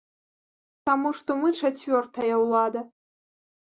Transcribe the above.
Таму што мы чацвёртая ўлада.